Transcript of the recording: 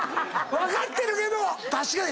分かってるけど確かに。